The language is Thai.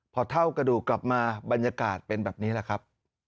พอเท่ากระดูกกลับมาบรรยากาศเป็นแบบนี้แหละครับ